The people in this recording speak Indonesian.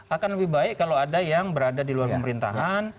akan lebih baik kalau ada yang berada di luar pemerintahan